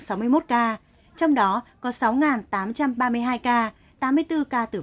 trong đó có sáu tám trăm ba mươi hai ca tám mươi bốn ca tử vong